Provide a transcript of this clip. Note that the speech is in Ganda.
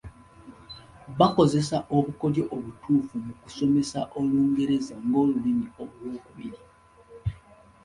Bakozesa obukodyo obutuufu mu kusomesa Olungereza ng’olulimi olw’okubiri.